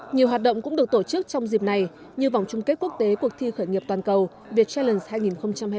nhiều hoạt động cũng được tổ chức trong dịp này như vòng chung kết quốc tế cuộc thi khởi nghiệp toàn cầu vietchallenge hai nghìn hai mươi